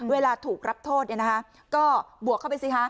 เวลาถูกรับโทษก็บวกเข้าไปสิคะ